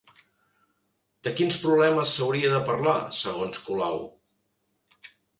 De quins problemes s'hauria de parlar segons Colau?